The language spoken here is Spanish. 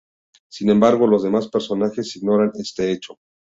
Sin embargo, los demás personajes ignoran este hecho.